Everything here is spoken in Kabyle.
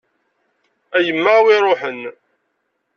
A yemma a wi iruḥen.